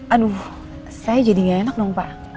aduh saya jadi gak enak dong pak